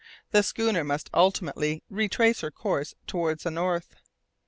The schooner must ultimately retrace her course towards the north.